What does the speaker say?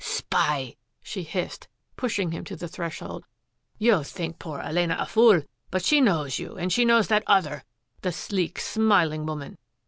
" Spy !" she hissed, pursuing him to the thresh old. " You think the poor Elena a fool, but she knows you and she knows that other, the sleek, smiling woman.